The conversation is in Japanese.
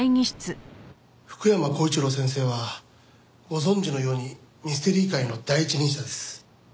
福山光一郎先生はご存じのようにミステリー界の第一人者です。